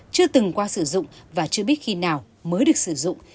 chưa từng qua sử dụng và chưa biết khi nào mới được sử dụng